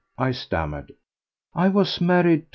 I stammered. "I was married to M.